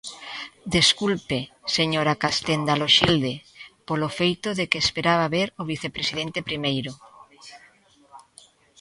Desculpe, señora Castenda Loxilde, polo feito de que esperaba ver o vicepresidente primeiro.